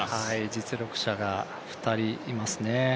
実力者が２人いますね。